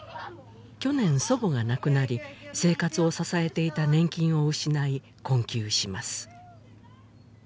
去年祖母が亡くなり生活を支えていた年金を失い困窮します